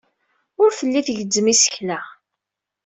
Ur telli tgezzem isekla.